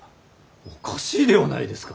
おかしいではないですか。